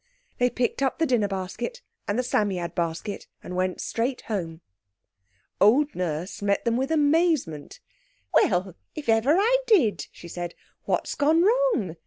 They picked up the dinner basket and the Psammead basket, and went straight home. Old Nurse met them with amazement. "Well, if ever I did!" she said. "What's gone wrong?